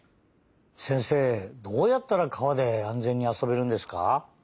せんせいどうやったら川で安全にあそべるんですか？